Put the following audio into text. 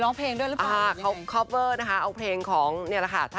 ลีกลูกชายเลยเหรอคะ